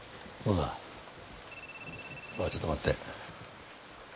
あぁちょっと待って。